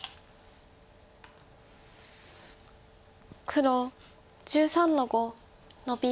黒１３の五ノビ。